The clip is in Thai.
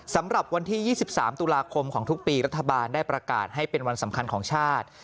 สำหรับวันที่๒๓ตุลาคมของทุกปีรัฐบาลได้ประกาศให้เป็นวันสำคัญของชาติ